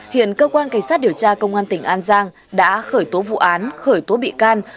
hiện cơ quan cảnh sát điều tra công an tỉnh an giang đã khởi tố vụ án khởi tố bị can